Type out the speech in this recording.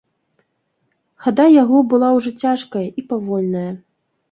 Хада яго была ўжо цяжкая і павольная.